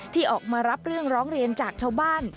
ที่ออกมารับเรื่องร้องเรียนจากชาวบ้าน